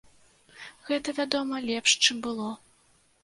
Гэта, вядома, лепш, чым было.